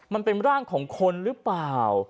มันเป็นร่างของคนหรือเปล่า